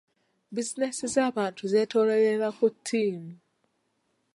Bizinensi z'abantu zeetooloolera ku ttiimu.